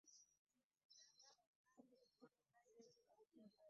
Abakyala bamanyi okuyoyaayoya nga bali mbuto.